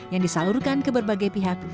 yang disalurkan ke berbagai pihak